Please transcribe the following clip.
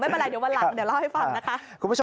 ไม่เป็นไรเดี๋ยววันหลังเดี๋ยวเล่าให้ฟังนะคะ